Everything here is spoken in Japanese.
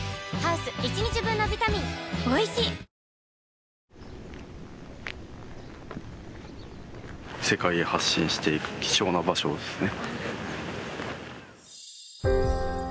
サントリー「金麦」世界へ発信していく貴重な場所ですね